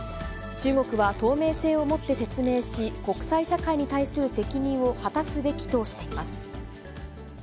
中国は透明性を持って説明し、国際社会に対する責任を果たすべきとしています。